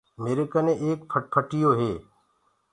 ميري ڪني ايڪ موٽر سيڪل هي۔